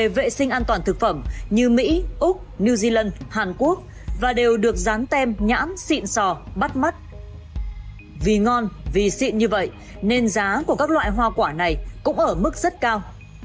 vì ngon vì xịn như vậy nên giá của các loại hoa quả này cũng ở mức rất cao